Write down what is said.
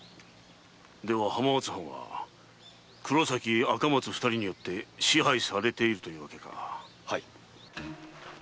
では浜松藩は黒崎・赤松二人によって支配されているというわけか。